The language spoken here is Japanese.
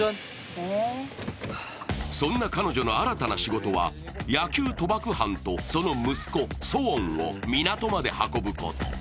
そんな彼女の新たな仕事は野球賭博犯とその息子・ソウォンを港まで運ぶこと。